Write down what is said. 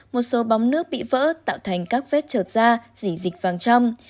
một số bóng nước bị vỡ tạo thành các vết trượt da dỉ dịch vàng trong